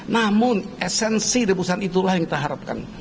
namun esensi rebusan itulah yang kita harapkan